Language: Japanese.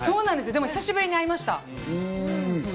でも久しぶりに会いました。